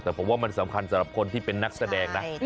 แต่ผมว่ามันสำคัญสำหรับคนที่เป็นนักแสดงนะ